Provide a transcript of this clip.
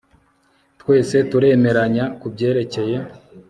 twese turemeranya kubyerekeye